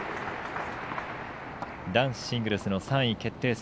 男子シングルスの３位決定戦。